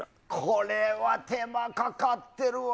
これは手間かかってるわ。